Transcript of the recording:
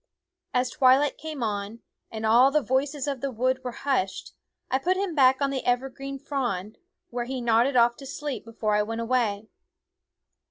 As 4 ...,^,..,. twilight came on, and all the voices of the wood were hushed, I put him back on the evergreen frond, where he nodded off to sleep before I went away.